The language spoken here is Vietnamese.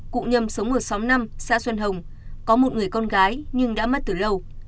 cụ nhâm sống ở xóm năm xã xuân hồng có một người con gái nhưng đã mất từ lâu